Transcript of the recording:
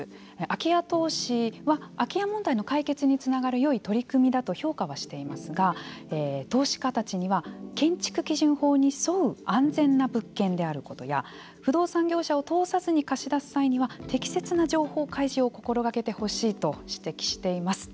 空き家投資は空き家問題の解決につながるよい取り組みだと評価はしていますが投資家たちには建築基準法に沿う安全な物件であることや不動産業者を通さずに貸し出す際には適切な情報開示を心がけてほしいと指摘しています。